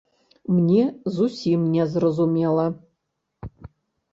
Мне зусім не зразумела.